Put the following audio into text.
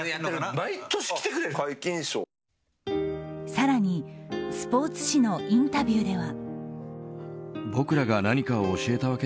更にスポーツ紙のインタビューでは。